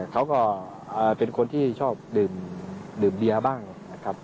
เขาก็เป็นคนที่ชอบดื่มเบียร์บ้างนะครับ